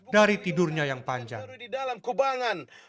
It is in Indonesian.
dari tidurnya yang panjang